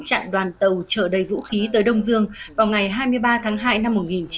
chặn đoàn tàu trở đầy vũ khí tới đông dương vào ngày hai mươi ba tháng hai năm một nghìn chín trăm bảy mươi